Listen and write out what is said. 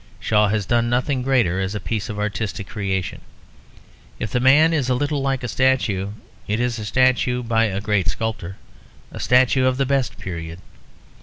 Shaw has done nothing greater as a piece of artistic creation. If the man is a little like a statue, it is a statue by a great sculptor; a statue of the best period.